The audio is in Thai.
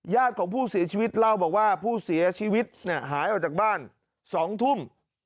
ของผู้เสียชีวิตเล่าบอกว่าผู้เสียชีวิตหายออกจากบ้าน๒ทุ่ม